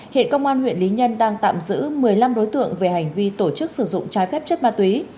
hiện công an huyện lý nhân đang tạm giữ một mươi năm đối tượng về hành vi tổ chức sử dụng trái phép chất ma túy